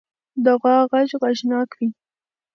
د غوا غږ غږناک وي.